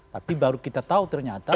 tapi baru kita tahu ternyata